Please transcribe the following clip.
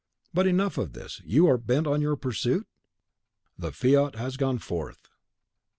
But enough of this, you are bent on your pursuit?" "The fiat has gone forth."